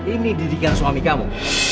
ini didikan suami kamu